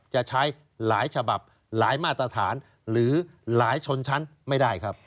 จะใช้หลายฉบับหลายมาตรฐานหรือหลายชนชั้นไม่ได้ครับ